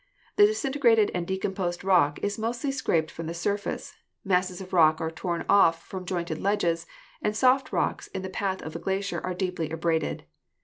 The disintegrated and decomposed rock is mostly scraped from the surface, masses of rock are torn off from jointed ledges, and soft rocks in the path of the glacier are deeply abraded.